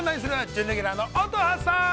準レギュラーの乙葉さん。